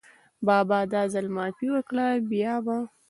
بابا دا ځل معافي وکړه، بیا به …